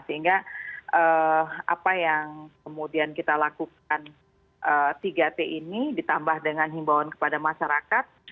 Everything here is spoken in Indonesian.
sehingga apa yang kemudian kita lakukan tiga t ini ditambah dengan himbauan kepada masyarakat